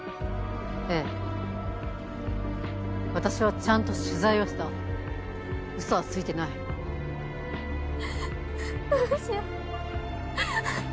ええ私はちゃんと取材をしたウソはついてないどうしよう